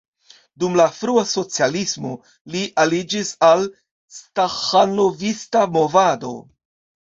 Dum la frua socialismo li aliĝis al staĥanovista movado.